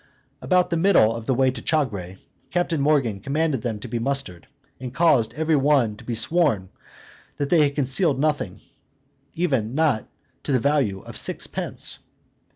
About the middle of the way to Chagre, Captain Morgan commanded them to be mustered, and caused every one to be sworn, that they had concealed nothing, even not to the value of sixpence.